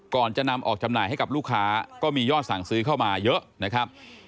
ก่อนจะนำออกจำหน่ายให้กับลูกค้าก็มียอดสั่งซื้อเข้ามาเยอะนะครับ